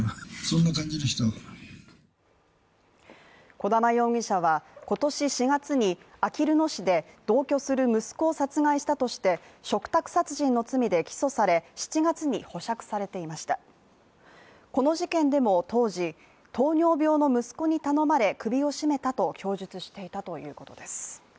小玉容疑者は今年４月にあきる野市で同居する息子を殺害したとして嘱託殺人の罪で起訴され７月に保釈されていましたこの事件でも当時糖尿病の息子に頼まれ首を絞めたと供述していたということです